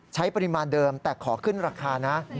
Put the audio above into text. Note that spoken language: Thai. ใช้ปริมาณเดิมแต่ขอขึ้นราคานะ